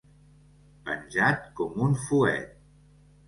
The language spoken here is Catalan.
Penjat com un fuet.